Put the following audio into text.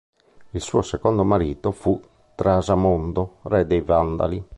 Il suo secondo marito fu Trasamondo, re dei Vandali.